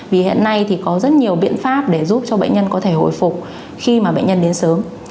vì hiện nay thì có rất nhiều biện pháp để giúp cho bệnh nhân có thể hồi phục khi mà bệnh nhân đến sớm